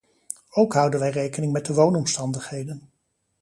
Ook houden wij rekening met de woonomstandigheden.